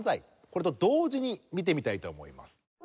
これと同時に見てみたいと思います。